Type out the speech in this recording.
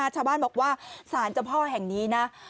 ชาวบ้านบอกว่าสารเจ้าพ่อแห่งนี้นะ